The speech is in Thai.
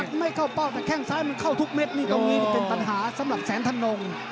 มันไม่เข้าเป้าแต่แข้งซ้ายมันเข้าทุกเม็ดนี่ตรงนี้เป็นปัญหาสำหรับแสนธนง